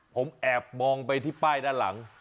ผมแอบมองไปที่ป้ายด้านหลัง